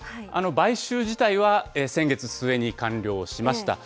買収自体は先月末に完了しました。